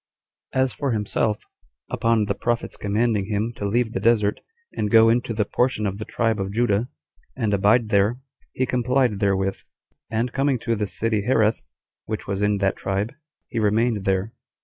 4. As for himself, upon the prophet's commanding him to leave the desert, and to go into the portion of the tribe of Judah, and abide there, he complied therewith; and coming to the city Hareth, which was in that tribe, he remained there.